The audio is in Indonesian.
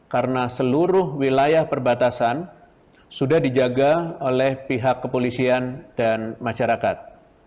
karena seluruh wilayah perbatasan sudah dijaga oleh pihak kepolisian dan masyarakat